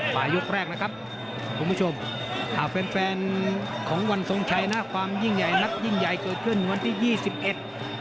ปลายยกแรกนะครับคุณผู้ชมอ่าแฟนแฟนของวันทรงชัยนะความยิ่งใหญ่นัดยิ่งใหญ่เกิดขึ้นวันที่ยี่สิบเอ็ด